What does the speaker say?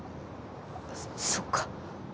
そっか。